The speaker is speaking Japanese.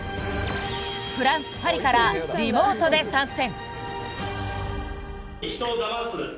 フランス・パリからリモートで参戦